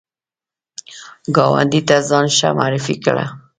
ګاونډي ته ځان ښه معرفي کړه